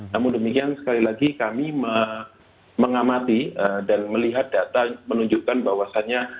namun demikian sekali lagi kami mengamati dan melihat data menunjukkan bahwasannya